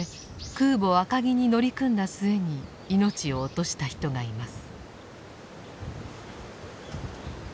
空母赤城に乗り組んだ末に命を落とした人がいます。